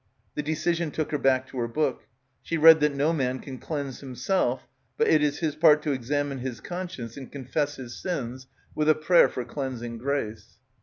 The decision took her back to her book. She read that no man can cleanse him self, but it is his part to examine his conscience and confess his sins with a prayer for cleansing grace.